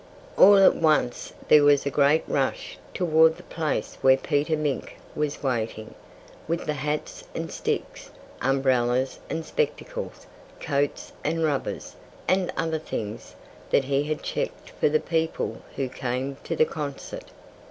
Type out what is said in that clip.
All at once there was a great rush toward the place where Peter Mink was waiting, with the hats and sticks, umbrellas and spectacles, coats and rubbers, and other things that he had checked for the people who came to the concert.